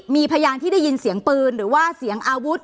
มีพยานที่ได้ยินเสียงปืนหรือว่าเสียงอาวุธ